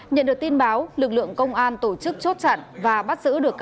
nhận được tin báo lực lượng công an tổ chức chốt chặn và bắt giữ được